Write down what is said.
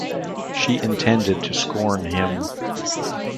She intended to scorn him.